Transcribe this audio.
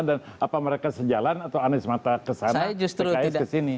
dan apa mereka sejalan atau anies mata kesana pks kesini